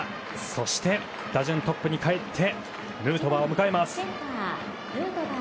そして打順トップにかえってヌートバーです。